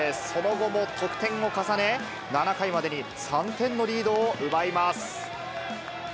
その後も得点を重ね、７回までに３点のリードを奪います。